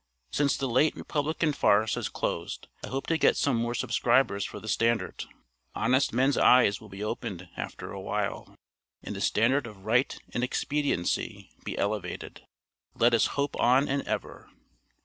Since the late Republican farce has closed I hope to get some more subscribers for the Standard. Honest men's eyes will be opened after a while, and the standard of right and expediency be elevated. Let us "hope on and ever."